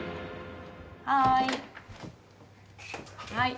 はい。